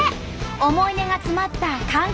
思い出が詰まったかん